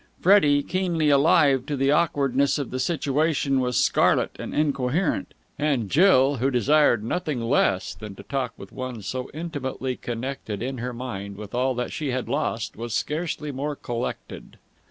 Freddie, keenly alive to the awkwardness of the situation, was scarlet and incoherent; and Jill, who desired nothing less than to talk with one so intimately connected in her mind with all that she had lost, was scarcely more collected.